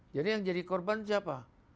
jadi yang jadi korban siapa